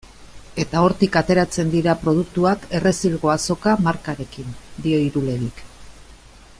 Eta hortik ateratzen dira produktuak Errezilgo Azoka markarekin, dio Irulegik.